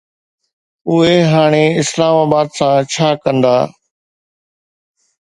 اهي هاڻي اسلام آباد سان ڇا ڪندا؟